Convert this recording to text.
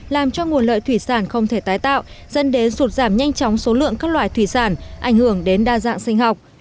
làm cho nguồn lợi thủy sản không thể tái tạo dẫn đến sụt giảm nhanh chóng số lượng các loài thủy sản ảnh hưởng đến đa dạng sinh học